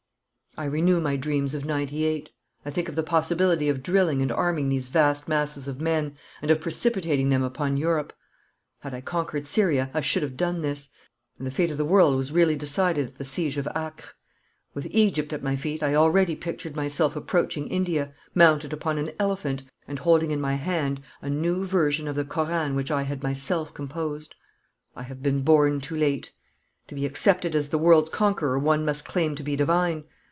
I renew my dreams of '98. I think of the possibility of drilling and arming these vast masses of men, and of precipitating them upon Europe. Had I conquered Syria I should have done this, and the fate of the world was really decided at the siege of Acre. With Egypt at my feet I already pictured myself approaching India, mounted upon an elephant, and holding in my hand a new version of the Koran which I had myself composed. I have been born too late. To be accepted as a world's conqueror one must claim to be divine.